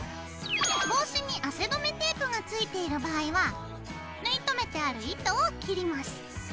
帽子に汗止めテープがついている場合は縫い留めてある糸を切ります。